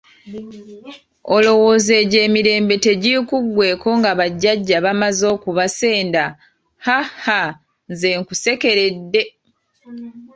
Olowooza egyo emirembe tegikuggweeko nga bajjajja bamaze okubasenda haha nze nkusekeredde?